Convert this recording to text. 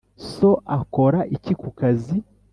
so akora iki kukazi?